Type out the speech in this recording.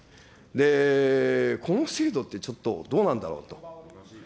この制度って、ちょっとどうなんだろうと。